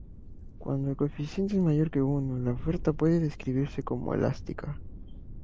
Cuando el coeficiente es mayor que uno, la oferta puede describirse como "elástica".